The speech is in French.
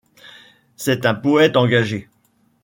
C'est un poète engagé.